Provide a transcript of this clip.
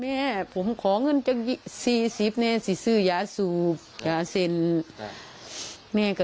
แม่ผมขอเงินจังยิสี่สิบแน่สิสือยาสูปยาเซนแม่ก็